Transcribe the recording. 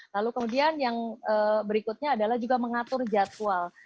lalu kemudian yang berikutnya adalah juga mengatur jadwal